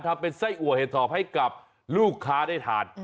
ทำเป็นไส้อัวเห็ดถอบให้กับลูกค้าได้ทาน